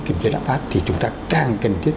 kiểm tra đáp pháp thì chúng ta càng cần thiết